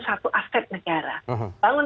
satu aset negara bangun